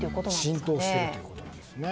浸透してるということですね。